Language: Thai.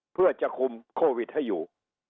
เพื่อจะคุมโควิดให้อยู่